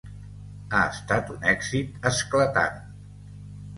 Ha estat un èxit esclatant.